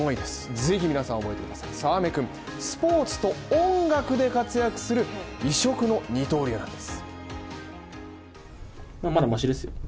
ぜひ皆さん、覚えてください、沢目君、スポーツと音楽で活躍する、移植の二刀流なんです。